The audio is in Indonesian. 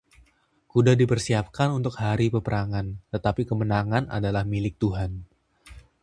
Kuda dipersiapkan untuk hari peperangan, tetapi kemenangan adalah milik Tuhan.